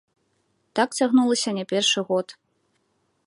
Так цягнулася не першы год.